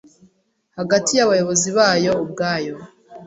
hagati y’abayobozi bayo ubwabo